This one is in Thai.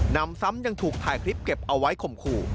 นำซ้ำยังถูกถ่ายคลิปเก็บเอาไว้ข่มขู่